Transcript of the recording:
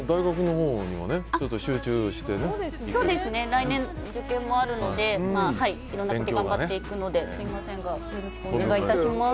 来年、受験もあるのでいろんなことを頑張っていくのですみませんがよろしくお願い致します。